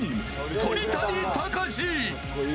鳥谷敬。